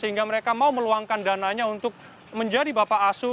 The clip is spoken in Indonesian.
sehingga mereka mau meluangkan dananya untuk menjadi bapak asuh